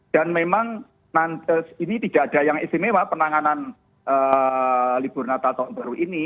dan memang ini tidak ada yang istimewa penanganan libur nataru ini